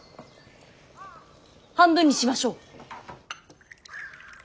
半分にしましょう！